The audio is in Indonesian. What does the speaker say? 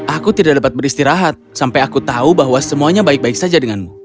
aku tidak dapat beristirahat sampai aku tahu bahwa semuanya baik baik saja denganmu